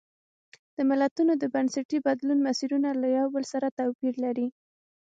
د ملتونو د بنسټي بدلون مسیرونه له یو بل سره توپیر لري.